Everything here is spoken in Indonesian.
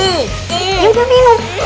yuk yuk minum